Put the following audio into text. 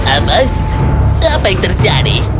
apa apa yang terjadi